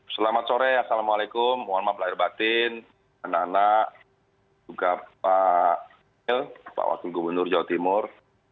selamat sore assalamualaikum mohon maaf lahir batin anak anak juga pak mil pak wakil gubernur jawa timur